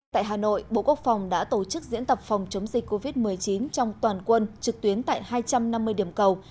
tại hà nội bộ quốc phòng đã tổ chức diễn tập phòng chống dịch covid một mươi chín trong toàn quân trực tuyến tại hai trăm năm mươi điểm cầu